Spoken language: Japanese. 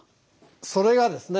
それがですね